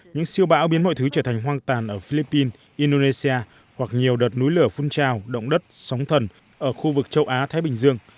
những siêu bão biến mọi thứ trở thành hoang tàn ở philippines indonesia hoặc nhiều đợt núi lửa phun trào động đất sóng thần ở khu vực châu á thái bình dương